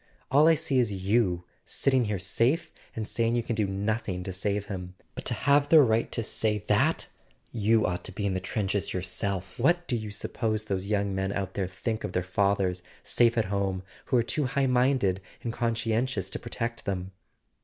All I see is you , sitting here safe and saying you can do nothing to save him! But to have the right to say that you ought to be in the trenches yourself! What do you suppose those young men out there think of their fathers, safe at home, who are too high minded and conscientious to protect them?"